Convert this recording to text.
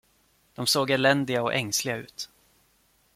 De såg eländiga och ängsliga ut.